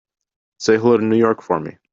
Say hello to New York for me.